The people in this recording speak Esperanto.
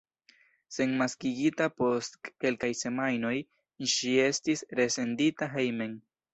Senmaskigita post kelkaj semajnoj, ŝi estis resendita hejmen.